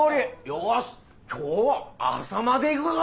よし今日は朝までいくか！